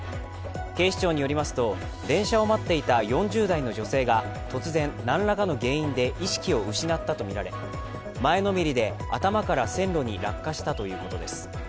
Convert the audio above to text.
警視庁によりますと、電車を待っていた４０代の女性が突然、何らかの原因で意識を失ったとみられ、前のめりで頭から線路に落下したということです。